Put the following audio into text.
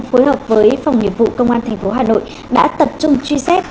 phối hợp với phòng nghiệp vụ công an tp hà nội đã tập trung truy xét